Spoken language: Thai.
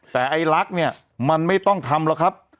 แต่ไอ้รักเนี่ยมันไม่ต้องทำหรอกครับ